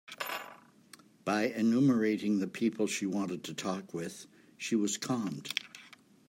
By enumerating the people she wanted to talk with, she was calmed.